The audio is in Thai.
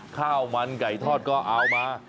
ข้าวมันไก่ทอดก็เอามา